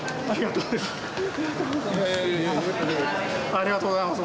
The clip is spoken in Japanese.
ありがとうございます。